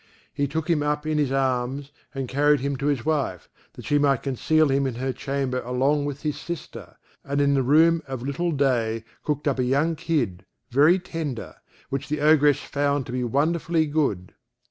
He took him up in his arms, and carried him to his wife, that she might conceal him in her chamber along with his sister, and in the room of little Day cooked up a young kid very tender, which the Ogress found to be wonderfully good.